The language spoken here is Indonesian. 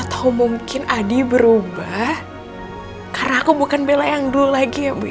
atau mungkin adi berubah karena aku bukan bella yang dulu lagi ya bu